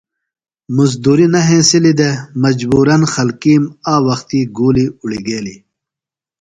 مزدُریۡ نہ ہنسلیۡ دےۡ۔ مجبورًا خلکِیم آ وختی گُولیۡ اُڑگیلیۡ۔